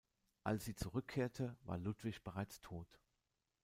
Als sie zurückkehrte, war Ludwig bereits tot.